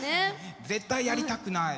絶対やりたくない。